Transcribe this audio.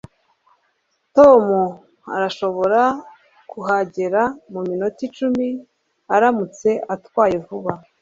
Tom arashobora kuhagera muminota icumi aramutse atwaye vuba